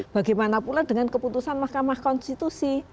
bagaimana pula dengan keputusan mahkamah konstitusi